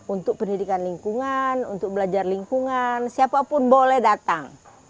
untuk pendidikan lingkungan untuk belajar lingkungan siapapun boleh datang